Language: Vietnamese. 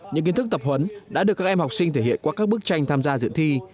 những kiến thức tập huấn đã được các em học sinh thể hiện qua các bức tranh tham gia dự thi